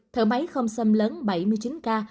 thở máy không xâm lớn bảy mươi chín ca